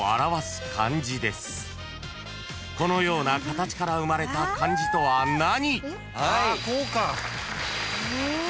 ［このような形から生まれた漢字とは何？］